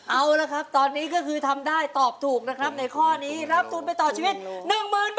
เอาละครับตอนนี้ก็คือทำได้ตอบถูกนะครับในข้อนี้รับทุนไปต่อชีวิต๑๐๐๐บาท